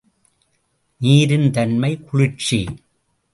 நீரின் தன்மை குளிர்ச்சி.